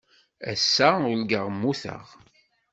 Ass-a, urgaɣ mmuteɣ.